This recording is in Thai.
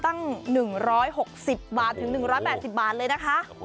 ต่างประเทศเขาขายรุ่นอยู่ตั้ง๑๖๐บาทถึง๑๘๐บาทเลยนะคะ